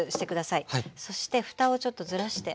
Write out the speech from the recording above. そしてふたをちょっとずらして。